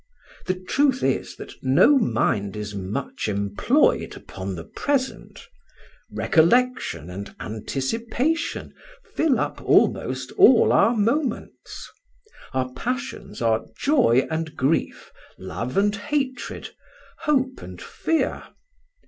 The truth is that no mind is much employed upon the present; recollection and anticipation fill up almost all our moments. Our passions are joy and grief, love and hatred, hope and fear.